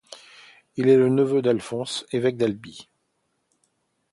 Il est le neveu d'Alphonse, évêque d'Albi.